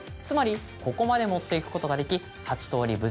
つまりここまで持っていくことができ８通り